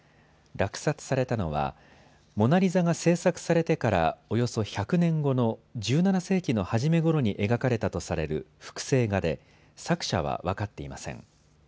落札されたのはモナリザが制作されてからおよそ１００年後の１７世紀の初めごろに描かれたとされる複製画で作者は分かっていません。